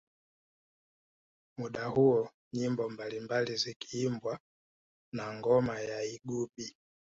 Muda huo nyimbo mbalimbali zikiimbwa na ngoma ya igubi